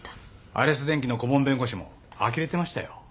アレス電機の顧問弁護士もあきれてましたよ。